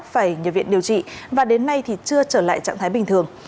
phải nhập viện điều trị và đến nay thì chưa trở lại trạng thái bình thường